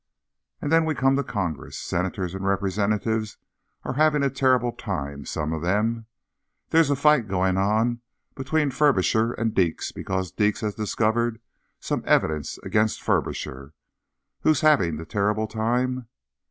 _ _And then we come to Congress. Senators and representatives are having a terrible time, some of them. There's a fight going on between Furbisher and Deeks because Deeks has discovered some evidence against Furbisher. Who's having the terrible time?